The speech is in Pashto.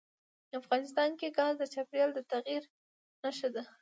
افغانستان کې ګاز د چاپېریال د تغیر نښه ده.